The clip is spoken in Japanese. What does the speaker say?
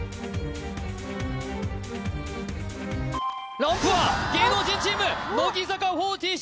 ランプは芸能人チーム乃木坂４６